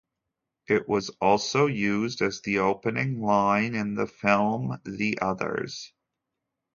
It was also used as the opening line in the film "The Others".